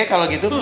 oke kalau gitu